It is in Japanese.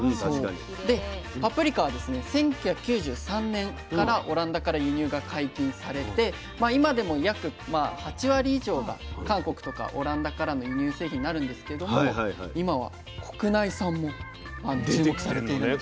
１９９３年からオランダから輸入が解禁されて今でも約８割以上が韓国とかオランダからの輸入製品になるんですけども今は国内産も注目されているんです。